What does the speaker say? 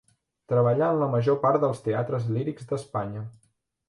Treballà en la major part dels teatres lírics d'Espanya.